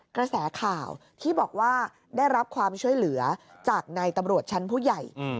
กระแสข่าวที่บอกว่าได้รับความช่วยเหลือจากในตำรวจชั้นผู้ใหญ่